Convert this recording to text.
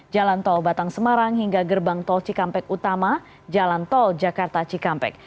jalan tol batang semarang hingga gerbang tol cikampek utama jalan tol jakarta cikampek